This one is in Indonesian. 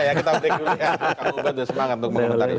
tunggu tunggu tunggu udah semangat untuk mengomentari